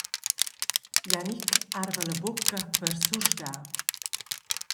Jannic arva la bucca per susdar.